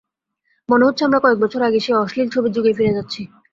মনে হচ্ছে, আমরা কয়েক বছর আগের সেই অশ্লীল ছবির যুগেই ফিরে যাচ্ছি।